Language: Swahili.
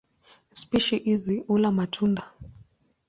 Spishi hizi hula matunda.